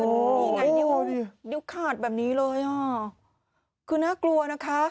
นี่ไงนี่คุณนิ้วขาดแบบนี้เลยอ่ะคือน่ากลัวนะคะ